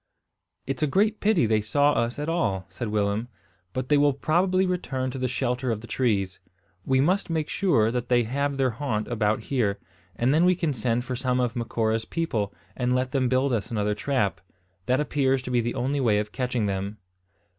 "It's a great pity they saw us at all," said Willem; "but they will probably return to the shelter of the trees. We must make sure that they have their haunt about here; and then we can send for some of Macora's people, and let them build us another trap. That appears to be the only way of catching them."